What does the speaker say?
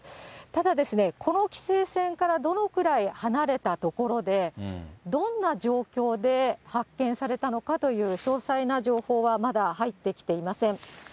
ただですね、この規制線からどのくらい離れた所で、どんな状況で発見されたのかという詳細な情報はまだ入ってきていません。